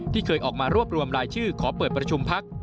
เคยออกมารวบรวมรายชื่อขอเปิดประชุมพัก